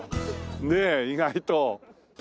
ねえ意外と。